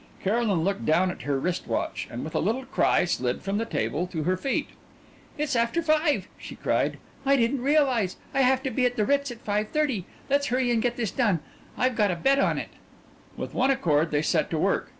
Caroline looked down at her wrist watch, and with a little cry slid from the table to her feet. "It's after five," she cried. "I didn't realize. I have to be at the Ritz at five thirty. Let's hurry and get this done. I've got a bet on it." With one accord they set to work.